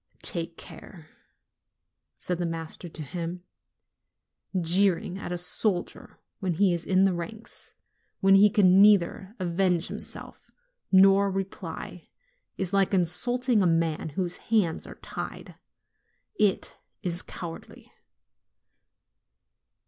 'Take care," said the master to him; "jeering at a soldier when he is in the ranks, when 42 NOVEMBER he can neither avenge himself nor reply, is like insult ing a man whose hands are tied : it is cowardly."